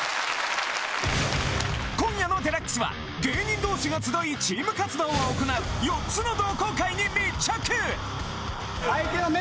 今夜の『ＤＸ』は芸人同士が集いチーム活動を行う４つの同好会に密着！